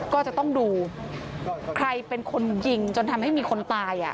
ก็จะต้องดูใครเป็นคนยิงจนทำให้มีคนตาย